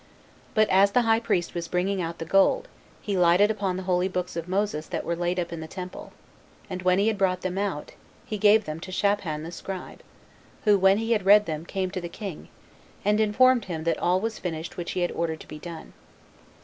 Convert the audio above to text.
But as the high priest was bringing out the gold, he lighted upon the holy books of Moses that were laid up in the temple; and when he had brought them out, he gave them to Shaphan the scribe, who, when he had read them, came to the king, and informed him that all was finished which he had ordered to be done.